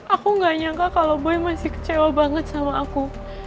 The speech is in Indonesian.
aku gak nyangka kalau boy masih kecewa banget sama aku